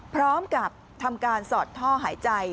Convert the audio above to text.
พร้อมกับทำการสอดท่อหายใจ